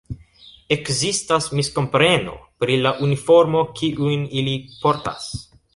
Ekzistas miskompreno pri la uniformo kiun ili portas.